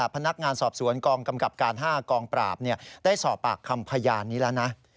พนักงานสอบสวนกองกำกับการ๕กองปราบได้สอบปากคำพยานนี้แล้วนะ